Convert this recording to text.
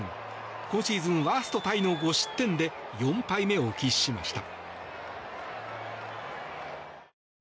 今シーズンワーストタイの５失点で４敗目を喫しました。